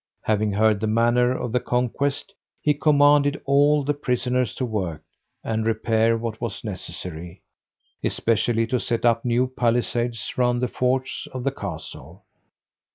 Having heard the manner of the conquest, he commanded all the prisoners to work, and repair what was necessary, especially to set up new palisades round the forts of the castle.